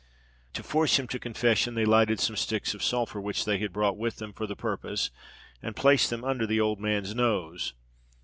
To force him to confession they lighted some sticks of sulphur which they had brought with them for the purpose, and placed them under the old man's nose.